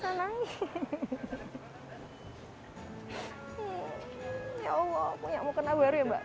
ya allah punya mukena baru ya mbak